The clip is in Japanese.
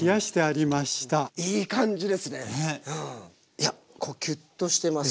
いやキュッとしてます。